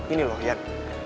ini loh iyan